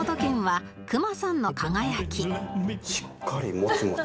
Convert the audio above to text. しっかりもちもち。